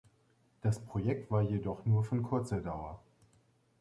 Das Projekt war jedoch nur von kurzer Dauer.